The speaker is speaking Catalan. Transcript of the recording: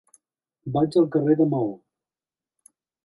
Vaig al carrer de Maó.